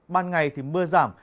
ban ngày thì mưa giảm